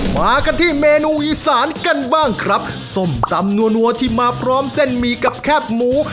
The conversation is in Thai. มากันที่เมนูอีสานกันบ้างครับส้มตำนัวที่มาพร้อมเส้นหมี่กับแคบหมู